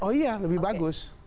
oh iya lebih bagus